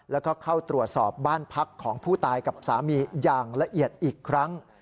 แล้วก็เข้าตรวจสอบบ้านพักของผู้ตายกับสามีอย่างละเอียดอีกครั้ง